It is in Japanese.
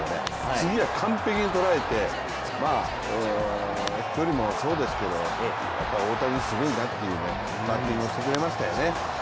次は完璧に捉えて飛距離もそうですけどやっぱり大谷、すごいなっていうバッティングをしてくれましたよね。